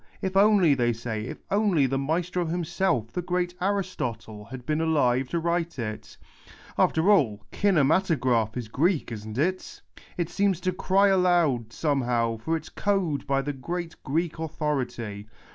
If only, they say, if only the maestro himself, the great Aristotle, had been alive to write it ! After all, kinematograph is Greek, isn't it ? It seems to cry aloud, somehow, for its code by the great Greek authority.